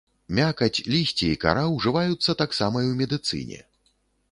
Мякаць, лісце і кара ўжываюцца таксама і ў медыцыне.